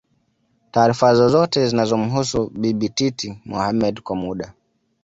taarifa zozote zinazomhusu Bibi Titi Mohamed Kwa muda